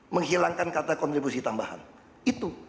menghilangkan kata kontribusi tambahan itu